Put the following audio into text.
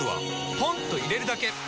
ポンと入れるだけ！